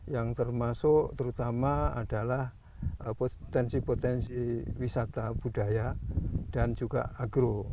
yang termasuk terutama adalah potensi potensi wisata budaya dan juga agro